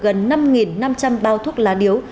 gần năm năm trăm linh bao thuốc lá điếu